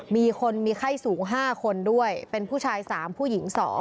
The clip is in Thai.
มีคนมีไข้สูง๕คนด้วยเป็นผู้ชาย๓ผู้หญิง๒